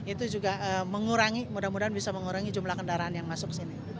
itu juga mengurangi mudah mudahan bisa mengurangi jumlah kendaraan yang masuk ke sini